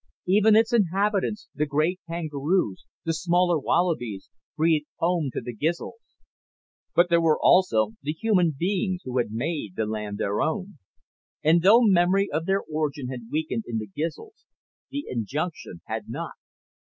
Even its inhabitants the great kangaroos, the smaller wallabies breathed Home to the Gizls. But there were also the human beings who had made the land their own. And though memory of their origin had weakened in the Gizls, the injunction had not.